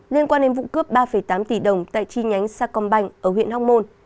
liên quan đến vụ cướp ba tám tỷ đồng tại chi nhánh sa công banh ở huyện hóc môn